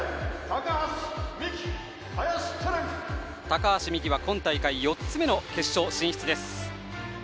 高橋美紀は今大会、４つ目の決勝進出です。